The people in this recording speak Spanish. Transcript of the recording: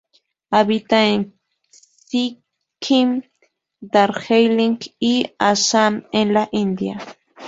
Habita en Sikkim, Darjeeling y Assam en la India.